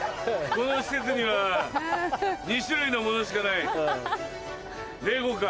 この施設には２種類のものしかない。